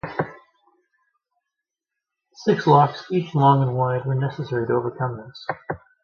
Six locks, each long and wide, were necessary to overcome this.